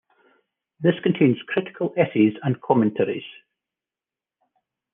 This contains critical essays and commentaries.